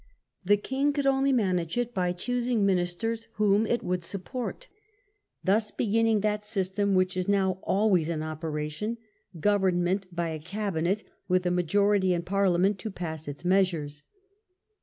The king could only manage it by choos ing ministers whom it would support, thus beginning that system which is now always in operation — government by a cabinet with a majority in Parliament to pass its measures.